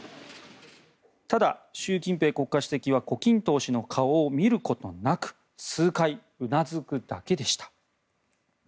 ただ、習近平国家主席は胡錦涛氏の顔を見ることなく数回うなずくだけでした。